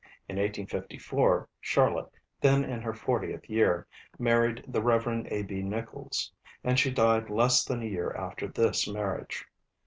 In 1854 Charlotte, then in her fortieth year, married the Rev. A.B. Nicholls; and she died less than a year after this marriage.